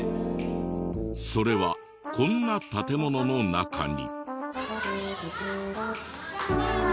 それはこんな建物の中に。